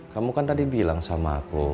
kamu kan tadi bilang sama aku